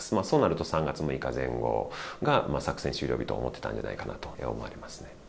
そうなると３月６日前後が作戦終了日と思ってたんじゃないかと思われますね。